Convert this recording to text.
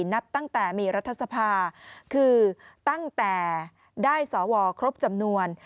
นับตั้งแต่มีรัฐสภาคือตั้งแต่ได้สวครบจำนวน